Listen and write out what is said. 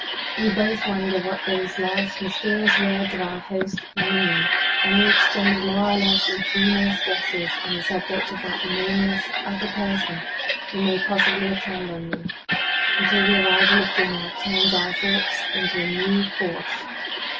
We both wonder what those last mysterious words of our host mean; and we exchange more or less ingenious guesses on the subject of that nameless "other person" who may possibly attend on me until the arrival of dinner turns our thoughts into a new course.